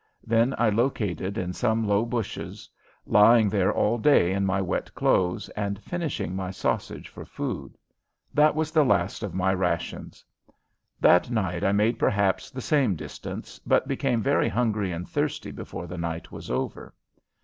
Then I located in some low bushes, lying there all day in my wet clothes and finishing my sausage for food. That was the last of my rations. That night I made perhaps the same distance, but became very hungry and thirsty before the night was over.